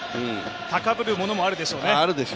高ぶるものもあるでしょうね。